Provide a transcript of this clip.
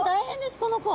この子。